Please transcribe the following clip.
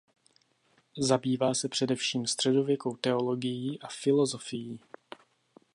Zabývá se především středověkou teologií a filosofií.